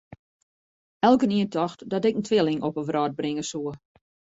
Elkenien tocht dat ik in twilling op 'e wrâld bringe soe.